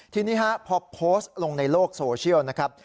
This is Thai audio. ทีนี้พอโพสต์ลงในโลกโซเชียลนะครับ